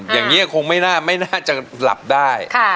อย่างนี้คงไม่น่าจะหลับได้